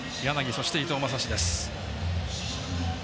そして、伊藤将司です。